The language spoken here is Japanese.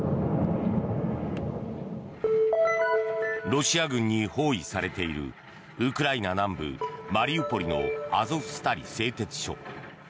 ロシア軍に包囲されているウクライナ南部マリウポリのアゾフスタリ製鉄所。